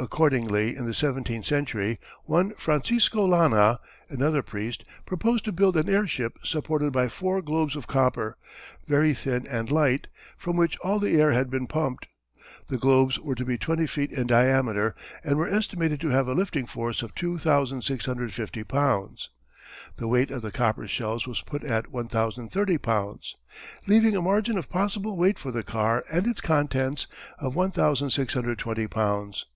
Accordingly in the seventeenth century, one Francisco Lana, another priest, proposed to build an airship supported by four globes of copper, very thin and light, from which all the air had been pumped. The globes were to be twenty feet in diameter, and were estimated to have a lifting force of 2650 pounds. The weight of the copper shells was put at 1030 pounds, leaving a margin of possible weight for the car and its contents of 1620 pounds.